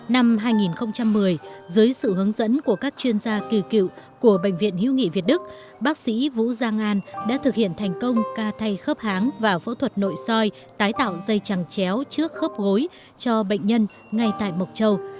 năm hai nghìn một mươi dưới sự hướng dẫn của các chuyên gia kỳ cựu của bệnh viện hiếu nghị việt đức bác sĩ vũ giang an đã thực hiện thành công ca thay khớp háng và phẫu thuật nội soi tái tạo dây chẳng chéo trước khớp gối cho bệnh nhân ngay tại mộc châu